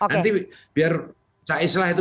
nanti biar cak islah itu